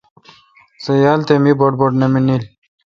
سو یال تھ می بڑ بڑ نہ مانیل۔